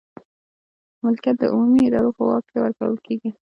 ملکیت د عمومي ادارې په واک کې ورکول کیږي.